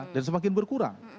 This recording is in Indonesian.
dan semakin berkurang